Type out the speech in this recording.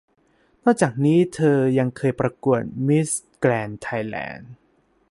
นอกจากนี้เธอยังเคยประกวดเวทีมิสแกรนด์ไทยแลนด์